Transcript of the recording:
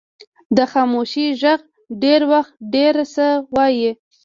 د خاموشۍ ږغ ډېر وخت ډیر څه وایي.